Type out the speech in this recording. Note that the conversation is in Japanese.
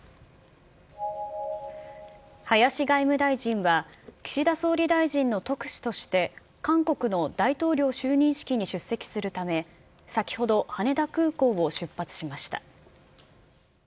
林外務大臣は、岸田総理大臣の特使として韓国の大統領就任式に出席するため、先ほど、羽田空港を出発しました。